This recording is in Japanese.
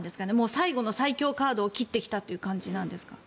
最後の最強カードを切ってきた感じですか？